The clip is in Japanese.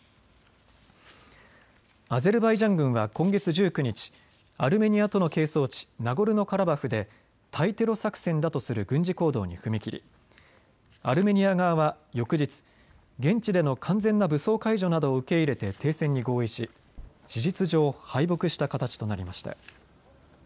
アゼルバイジャン軍は今月１９日、アルメニアとの係争地、ナゴルノカラバフで対テロ作戦だとする軍事行動に踏み切りアルメニア側は翌日、現地での完全な武装解除などを受け入れて停戦に合意し事実上敗北した形となりました。